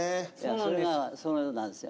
それがそうなんですよ。